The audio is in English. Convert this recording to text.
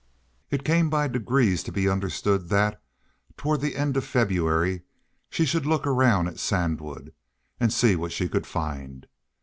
It came by degrees to be understood that, toward the end of February, she should look around at Sandwood and see what she could find.